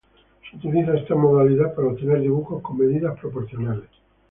Se utiliza esta modalidad para obtener dibujos con medidas proporcionales.